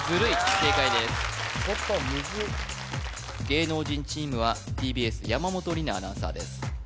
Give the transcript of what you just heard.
芸能人チームはＴＢＳ山本里菜アナウンサーです